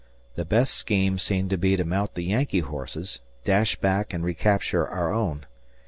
The best scheme seemed to be to mount the Yankee horses, dash back, and recapture our own.